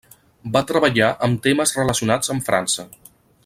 Va treballar amb temes relacionats amb França.